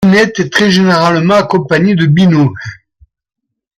Binette est très généralement accompagnée de Binot.